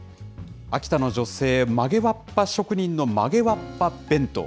秋田の女性、曲げわっぱ職人の曲げわっぱ弁当。